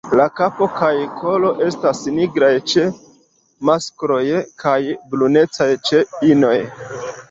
La kapo kaj kolo estas nigraj ĉe maskloj kaj brunecaj ĉe inoj.